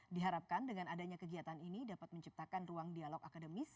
diharapkan dengan adanya kegiatan ini dapat menciptakan ruang dialog akademis